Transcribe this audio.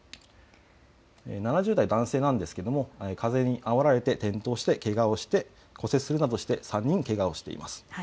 ７０代、男性なんですが風にあおられて転倒してけがをして骨折するなどして３人けがをしています。